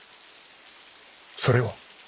それは？